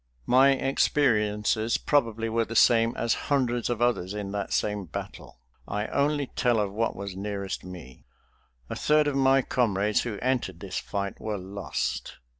My experiences probably were the same as hundreds of others in that same battle. I only tell of what was nearest me. A third of my comrades who entered this fight were lost.